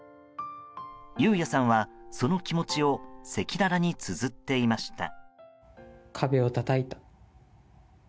雄也さんは、その気持ちを赤裸々につづっていました。